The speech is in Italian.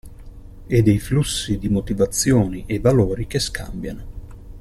E dei flussi di motivazioni e valori che scambiano.